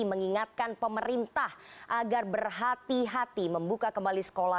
mengingatkan pemerintah agar berhati hati membuka kembali sekolah